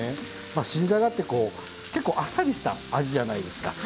まあ新じゃがってこう結構あっさりした味じゃないですか。